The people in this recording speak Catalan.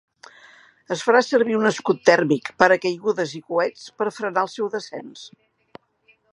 Es farà servir un escut tèrmic, paracaigudes i coets per frenar el seu descens.